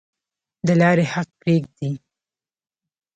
د لارې حق پریږدئ؟